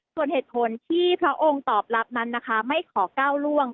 ส่วนเหตุผลที่พระองค์ตอบรับนั้นนะคะไม่ขอก้าวล่วง